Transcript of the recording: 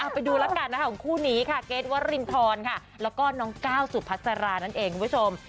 ไปดูแล้วกันนะคะของคู่นี้ค่ะเกรทวรินทรค่ะแล้วก็น้องก้าวสุพัสรานั่นเองคุณผู้ชม